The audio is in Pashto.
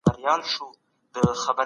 دا کیسه ځوانانو ته پیغام لري.